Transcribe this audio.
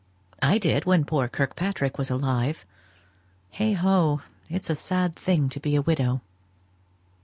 I did, when poor Kirkpatrick was alive. Heigho! it's a sad thing to be a widow."